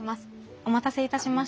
お待たせいたしました。